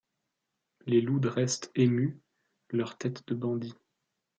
Les loups dressent émus leur tête de bandit ;